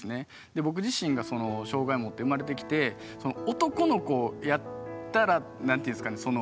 で僕自身がその障害を持って生まれてきて男の子やったら何て言うんですかね